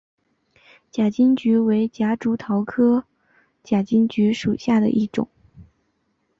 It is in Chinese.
假金桔为夹竹桃科假金桔属下的一个种。